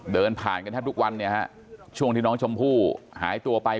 เดินผ่านกันครับทุกวันช่วงที่น้องชมพู่หายตัวไป